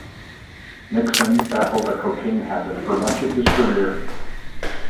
Nixon battled a cocaine habit for much of his career.